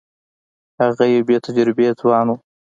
هغه یو بې تجربې ځوان وو.